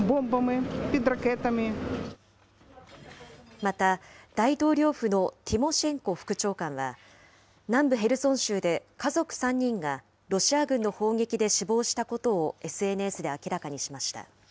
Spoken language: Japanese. また、大統領府のティモシェンコ副長官は、南部ヘルソン州で、家族３人がロシア軍の砲撃で死亡したことをＳＮＳで明らかにしました。